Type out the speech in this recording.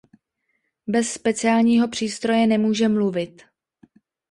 Bez speciálního přístroje nemůže mluvit.